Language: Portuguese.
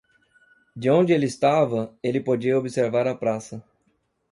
De onde ele estava, ele podia observar a praça.